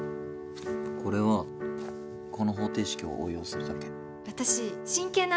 これはこの方程式を応用するだけ。